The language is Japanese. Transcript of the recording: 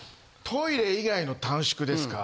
トイレ以外の短縮ですか。